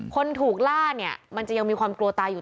คนถูกล่าเนี่ยมันจะยังมีความกลัวตายอยู่